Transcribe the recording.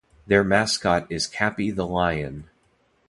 Their mascot is Capi the Lion.